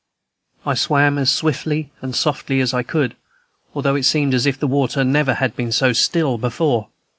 I swam as swiftly and softly as I could, although it seemed as if water never had been so still before.